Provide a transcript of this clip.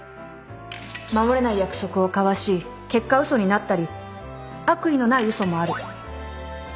守れない約束を交わし結果嘘になったり悪意のない嘘もある。